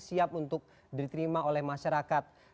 siap untuk diterima oleh masyarakat